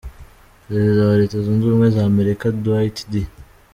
Perezida wa Leta zunze ubumwe za Amerika Dwight D.